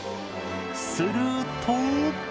すると。